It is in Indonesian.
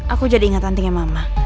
aku jadi ingat nantinya mama